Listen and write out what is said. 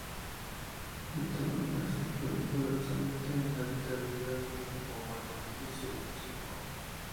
Y todo eso influye poderosamente en la vitalidad del organismo humano, dice Huntington.